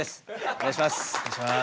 お願いします。